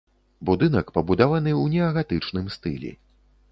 Будынак пабудаваны ў неагатычным стылі.